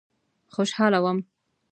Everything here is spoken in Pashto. خوشاله وم.